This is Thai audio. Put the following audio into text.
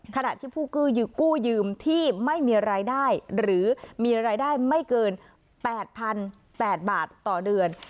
ขณะที่ผู้กู้ยืมที่ไม่มีรายได้หรือมีรายได้ไม่เกิน๘๘๐๐บาทต่อเดือน